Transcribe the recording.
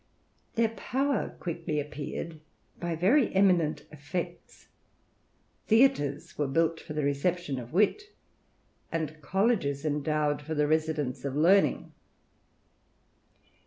Their power quickly appeared by very eminent effects, theatres were built for the reception of Wit ; and colleges endowed for the residence of Learning.